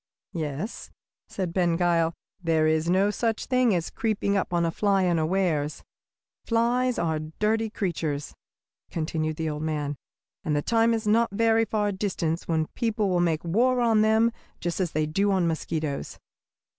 "Yes," said Ben Gile; "there is no such thing as creeping up on a fly unawares. Flies are dirty creatures," continued the old man, "and the time is not very far distant when people will make war on them just as they do on mosquitoes.